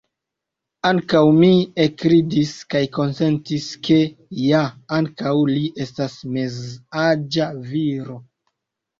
Ankaŭ mi ekridis, kaj konsentis ke, ja ankaŭ li estas mezaĝa viro.